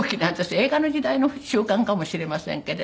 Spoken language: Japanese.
映画の時代の習慣かもしれませんけど。